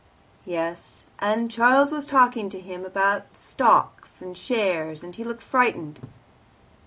"Yes; and Charles was talking to him about Stocks and Shares, and he looked frightened."